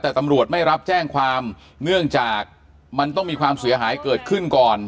แต่ตำรวจไม่รับแจ้งความเนื่องจากมันต้องมีความเสียหายเกิดขึ้นก่อน